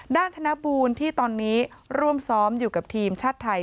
ธนบูลที่ตอนนี้ร่วมซ้อมอยู่กับทีมชาติไทย